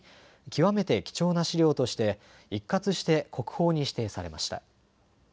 極めて貴重な資料として一括して国宝に指定されました。